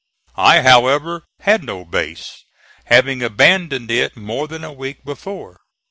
I, however, had no base, having abandoned it more than a week before.